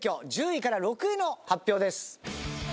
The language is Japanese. １０位から６位の発表です。